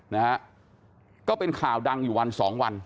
นะฮะก็เป็นข่าวดังอยู่วันสองวัน